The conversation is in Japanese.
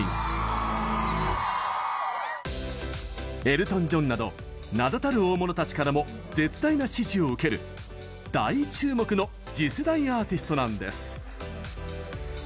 エルトン・ジョンなど名だたる大物たちからも絶大な支持を受ける大注目の次世代アーティストなんです。